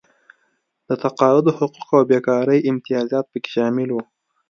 د تقاعد حقوق او بېکارۍ امتیازات پکې شامل وو.